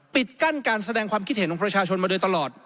ปิดกั้นการแสดงความคิดเห็นของประชาชนมาโดยตลอด